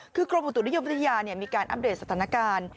คือกรมอุตุนิยมวิทยามีการอัปเดตสถานการณ์